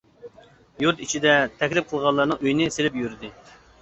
يۇرت ئىچىدە تەكلىپ قىلغانلارنىڭ ئۆيىنى سېلىپ يۈردى.